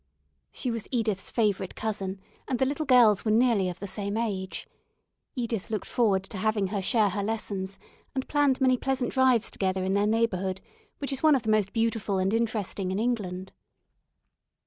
She was Edith's favourite cousin, and the little girls were nearly of the same age. Edith looked forward to having her share her lessons, and planned many pleasant drives together in their neighbourhood, which is one of the most beautiful and interesting in England.